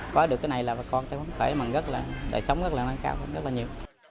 có được cái này là bà con sẽ sống rất là năng cao rất là nhiều